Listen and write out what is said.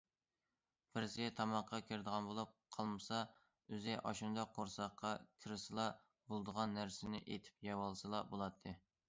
بىرسى تاماققا كىرىدىغان بولۇپ قالمىسا ئۆزى ئاشۇنداق قورساققا كىرسىلا بولىدىغان نەرسىنى ئېتىپ يەۋالسىلا بولاتتى.